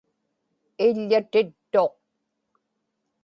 iḷḷatittuq